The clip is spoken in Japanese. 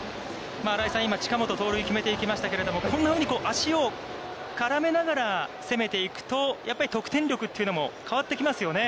新井さん、今、近本が盗塁を決めていきましたけれども、こんなふうに足を絡めながら攻めていくと、やっぱり得点力というのも変わってきますよね。